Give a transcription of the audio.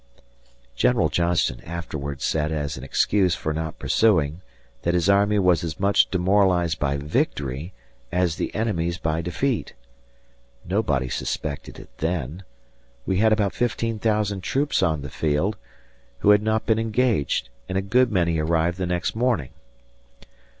General Johnston afterwards said as an excuse for not pursuing that his army was as much demoralized by victory as the enemy's by defeat. Nobody suspected it then. We had about 15,000 troops on the field who had not been engaged, and a good many arrived the next morning.